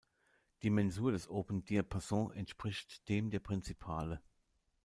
Die Mensur des "Open Diapason" entspricht dem der Prinzipale.